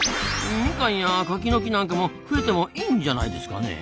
ミカンやカキの木なんかも増えてもいいんじゃないですかねえ。